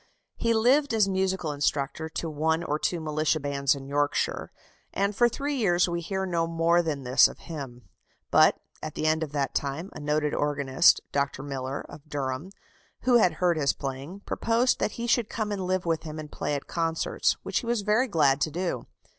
He lived as musical instructor to one or two militia bands in Yorkshire, and for three years we hear no more than this of him. But, at the end of that time, a noted organist, Dr. Miller, of Durham, who had heard his playing, proposed that he should come and live with him and play at concerts, which he was very glad to do.